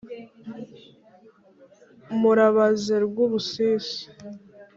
Murabaze Rwubusisi